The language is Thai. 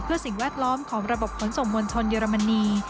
เพื่อสิ่งแวดล้อมของระบบขนส่งมวลชนเยอรมนี